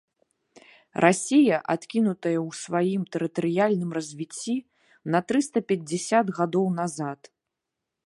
Расія адкінутая ў сваім тэрытарыяльным развіцці на трыста пяцьдзясят гадоў назад.